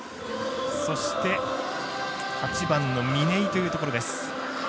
そして８番の嶺井というところです。